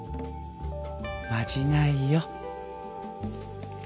まじないよ。